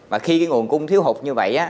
và khi cái nguồn cung thiếu hụt như vậy á